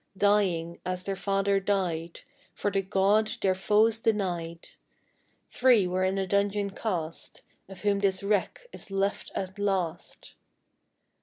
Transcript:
Dying as their father died, For the God their foes denied; Three were in a dungeon cast, Of whom this wreck is left the last.